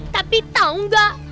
tapi tau gak